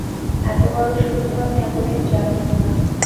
এতবড়ো সত্য আমি এতদিন জানতুম না।